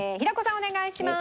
お願いします。